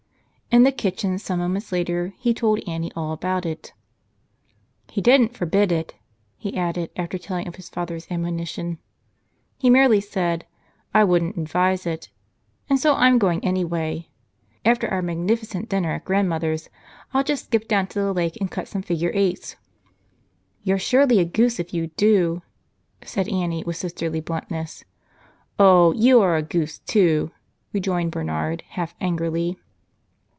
In the kitchen some moments later he told Annie all about it. "He didn't forbid it," he added, after telling of his father's admonition. "He merely said: T wouldn't advise it.' And so I'm going anyway. After our magnificent dinner at grandmother's, I'll just skip down to the lake and cut some figure eights." "You're surely a goose, if you do," said Annie with sisterly bluntness. "Oh, you are a goose, too," rejoined Bernard, half angrily.